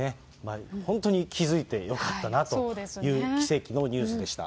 本当に気付いてよかったなという奇跡のニュースでした。